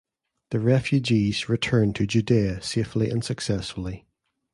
The refugees returned to Judea safely and successfully.